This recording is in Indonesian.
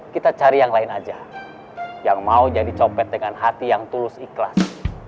kita cari yang lain aja yang mau jadi copet dengan hati yang tulus ikhlas